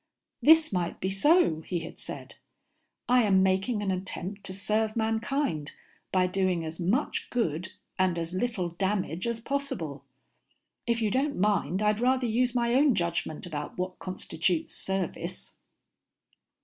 "This might be so," he had said. "I am making an attempt to serve mankind by doing as much good and as little damage as possible. If you don't mind, I'd rather use my own judgment about what constitutes service."